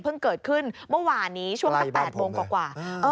เกิดขึ้นเมื่อวานนี้ช่วงสัก๘โมงกว่า